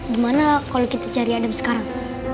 gimana kalau kita cari adam sekarang